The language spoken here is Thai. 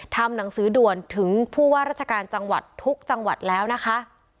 ทำหนังสือด่วนถึงผู้ว่าราชการจังหวัดทุกจังหวัดแล้วนะคะ